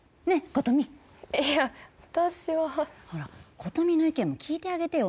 琴美いや私はほら琴美の意見も聞いてあげてよ